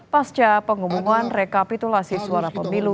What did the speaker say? pasca pengumuman rekapitulasi suara pemilu dua ribu dua puluh empat